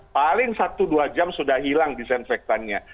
paling satu dua jam sudah hilang disinfektannya